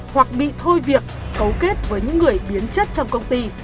hoặc bị thôi việc cấu kết với những người biến chất trong công ty